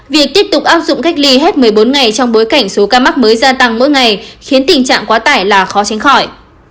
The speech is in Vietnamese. việc tiếp tục áp dụng cách ly hết một mươi bốn ngày trong bối cảnh số ca mắc mới gia tăng mỗi ngày khiến tình trạng quá tải là khó tránh khỏi